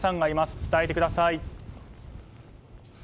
伝えてください。